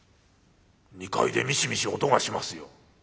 ２階でミシミシ音がしますよ。